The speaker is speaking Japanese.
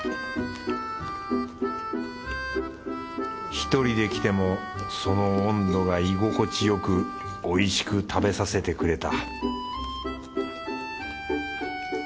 １人で来てもその温度が居心地よくおいしく食べさせてくれた